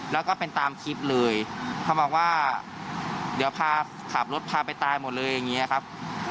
แล้วก็เป็นตามคลิปเลยเขาบอกว่าเดี๋ยวพาขับรถพาไปตายหมดเลยอย่างนี้ครับ